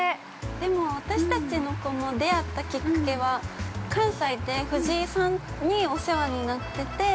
でも、私たちのこの出会ったきっかけは関西で、藤井さんにお世話になってて。